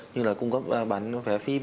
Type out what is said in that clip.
như là cung cấp bán vé phim